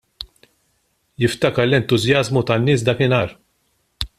Jiftakar l-entużjażmu tan-nies dakinhar.